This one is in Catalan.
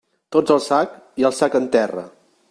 Tots al sac, i el sac en terra.